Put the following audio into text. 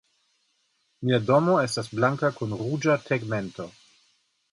Mia domo estas blanka kun ruĝa tegmento.